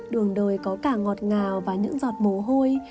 đường đời có cả ngọt ngào và những giọt mồ hôi